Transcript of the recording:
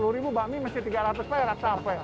sepuluh ribu bakmi mesti tiga ratus perak capek